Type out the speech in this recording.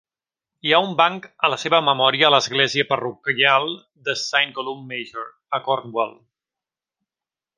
Hi ha un banc a la seva memòria a l'església parroquial de Saint Columb Major, a Cornwall.